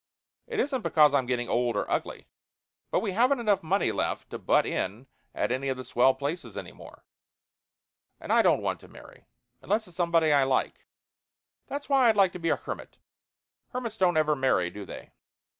It isn't because I'm getting old or ugly; but we haven't enough money left to butt in at any of the swell places any more. And I don't want to marry unless it's somebody I like. That's why I'd like to be a hermit. Hermits don't ever marry, do they?"